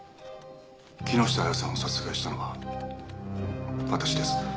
木下亜矢さんを殺害したのは私です」